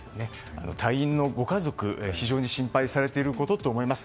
隊員のご家族、非常に心配されていることと思います。